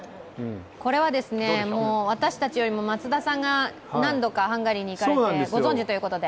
これは、私たちよりも松田さんが何度かハンガリーに行かれてご存じということで。